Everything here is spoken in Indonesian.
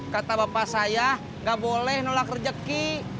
kata bapak saya gak boleh nolak rejeki